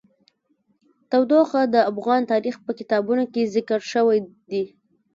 تودوخه د افغان تاریخ په کتابونو کې ذکر شوی دي.